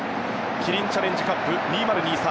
キリンチャレンジカップ２０２３